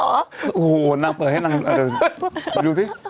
โอ้โหนางเปิดให้นางแต่ยูดิ